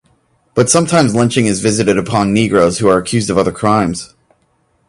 But sometimes lynching is visited upon negroes who are accused of other crimes.